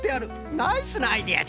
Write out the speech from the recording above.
ナイスなアイデアじゃ！